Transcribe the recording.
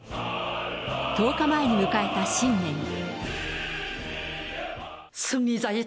１０日前に迎えた新年。